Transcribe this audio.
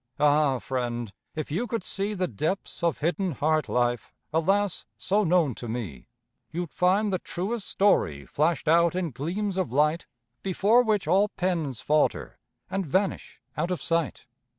Ah, friend, if you could see The depths of hidden heart life Alas! so known to me, You'd find the truest story Flashed out in gleams of light, Before which all pens falter And vanish out of sight.